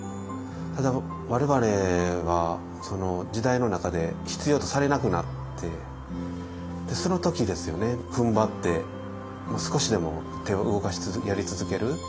ただ我々は時代の中で必要とされなくなってその時ですよねふんばって少しでも手を動かしつつやり続ける。